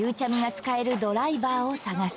使えるドライバーを探す